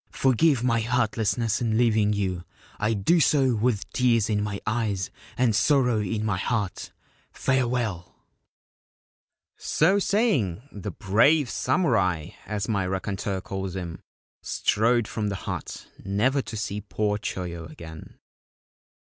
Forgive my heartlessness in leaving you. I do so with tears in my eyes and sorrow in my heart. Farewell !' So saying, the ' brave samurai ' (as my 213 Ancient Tales and Folklore of Japan raconteur calls him) strode from the hut, never to see poor Choyo again.